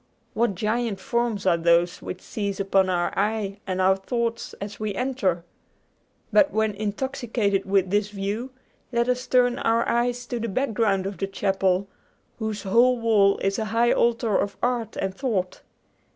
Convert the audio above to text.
What giant forms are those which seize upon our eye and our thoughts as we enter! But when intoxicated with this view, let us turn our eyes to the background of the chapel, whose whole wall is a high altar of art and thought.